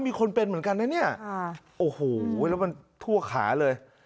มีคนเป็นเหมือนกันนะเนี่ยโอ้โหแล้วมันทั่วขาเลย